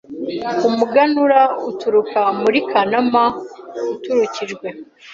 Umuganura uturuka muri Kanama Uturukijwe